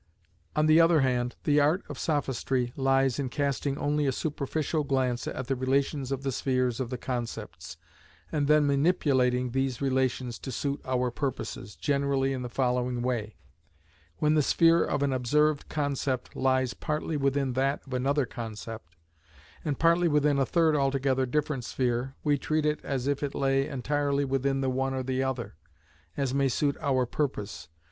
On the other hand, the art of sophistry lies in casting only a superficial glance at the relations of the spheres of the concepts, and then manipulating these relations to suit our purposes, generally in the following way:—When the sphere of an observed concept lies partly within that of another concept, and partly within a third altogether different sphere, we treat it as if it lay entirely within the one or the other, as may suit our purpose.